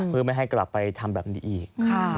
เพื่อไม่ให้กลับไปทำแบบนี้อีก